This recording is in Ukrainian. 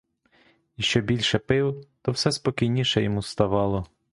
І що більше пив, то все спокійніше йому ставало.